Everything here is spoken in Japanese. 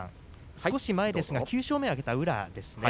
少し前ですが、９勝目を挙げた宇良です。